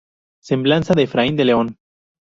Semblanza de Efraín de León.